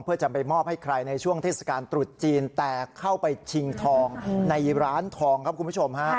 เพื่อจะไปมอบให้ใครในช่วงเทศกาลตรุษจีนแต่เข้าไปชิงทองในร้านทองครับคุณผู้ชมฮะ